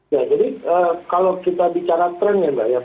ya jadi kalau kita bicara tren ya pak